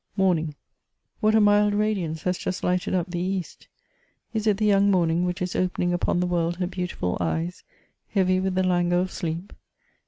" MORNING. " What a mild radiance has just lighted up the East ! Is it the young morning which is opening upon the world her beau tiful eyes, heavy with the langour of sleep